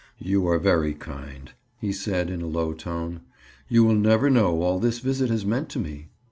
"You are very kind," he said in a low tone. "You will never know all this visit has meant to me.